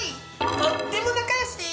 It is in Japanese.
とっても仲よしです。